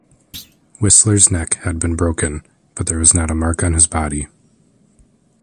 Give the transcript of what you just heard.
Whistler's neck had been broken, but there was not a mark on his body.